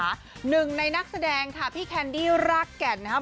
หนึ่งในนักแสดงค่ะพี่แคนดี้รากแก่นนะครับ